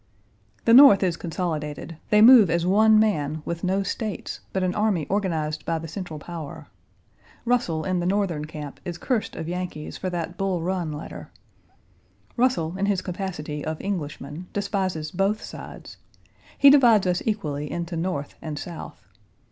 The North is consolidated; they move as one man, with no States, but an army organized by the central power. Russell in the Northern camp is cursed of Yankees for that Bull Run letter. Russell, in his capacity of Englishman, despises both sides. He divides us equally into North and South.